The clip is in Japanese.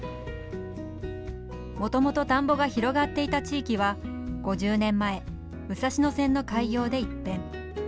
もともと田んぼが広がっていた地域は５０年前、武蔵野線の開業で一変。